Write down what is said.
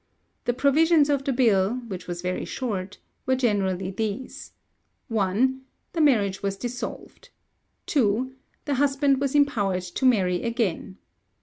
The provisions of the bill, which was very short, were generally these: 1. The marriage was dissolved. 2. The husband was empowered to marry again.